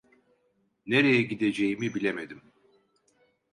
Nereye gideceğimi bilemedim.